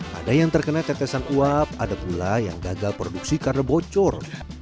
pada yang terkena tetesan uap ada pula yang gagal produksi karena bocor